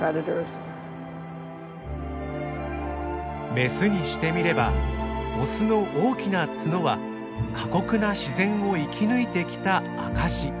メスにしてみればオスの大きな角は過酷な自然を生き抜いてきた証し。